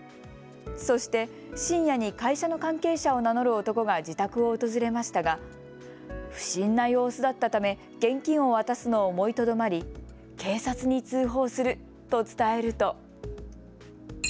そして、深夜に会社の関係者を名乗る男が自宅を訪れましたが、不審な様子だったため現金を渡すのを思いとどまり、警察に通報すると伝えると。